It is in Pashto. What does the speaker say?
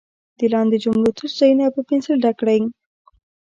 د لاندې جملو تش ځایونه په پنسل ډک کړئ.